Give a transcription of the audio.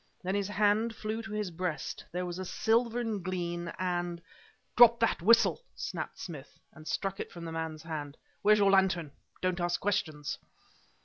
Then his hand flew to his breast; there was a silvern gleam and "Drop that whistle!" snapped Smith and struck it from the man's hand. "Where's your lantern? Don't ask questions!"